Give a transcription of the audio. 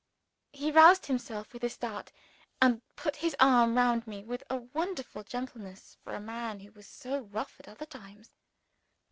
He roused himself with a start, and put his arm round me, with a wonderful gentleness for a man who was so rough at other times.